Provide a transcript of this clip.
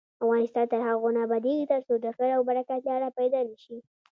افغانستان تر هغو نه ابادیږي، ترڅو د خیر او برکت لاره پیدا نشي.